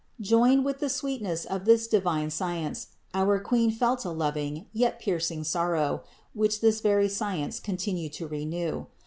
40. Joined with the sweetness of this divine science, our Queen felt a loving, yet piercing sorrow, which this very science continued to renew.